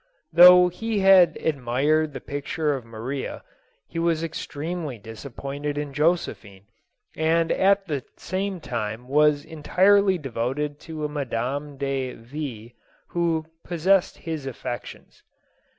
Though he had admired the picture of Maria, he was extremely disappointed in Josephine, and at the same time was entirely devoted to a Madame de V ...., who possessed his affections.